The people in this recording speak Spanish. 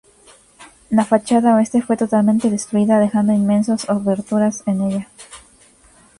La fachada oeste fue totalmente destruida, dejando inmensas oberturas en ella.